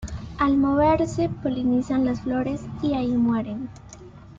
Al moverse polinizan las flores y ahí mueren.